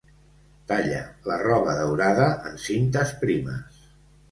Talla la roba daurada en cintes primes.